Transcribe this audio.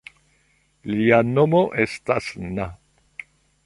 Ilia nomo estas na.